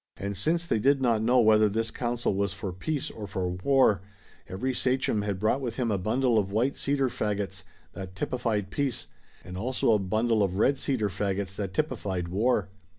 And since they did not know whether this council was for peace or for war, every sachem had brought with him a bundle of white cedar fagots that typified peace, and also a bundle of red cedar fagots that typified war.